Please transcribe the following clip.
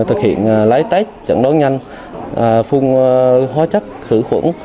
thực hiện lấy test trận đoán nhanh phun hóa chất khử khuẩn